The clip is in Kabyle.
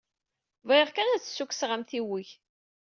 Bɣiɣ kan ad d-ssukkseɣ amtiweg.